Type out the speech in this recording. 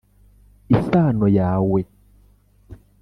Isano yawe